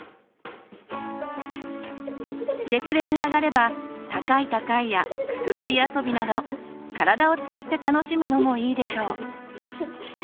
月齢が上がれば高い高いやくすぐり遊びなど体を使って楽しむのもいいでしょう。